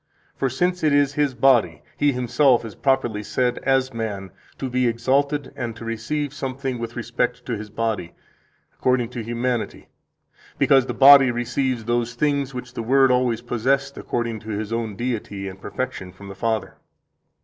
For since it is His body, He Himself is properly said as man to be exalted and to receive something with respect to His body, according to humanity, because the body receives those things which the Word always possessed according to His own deity and perfection from the Father.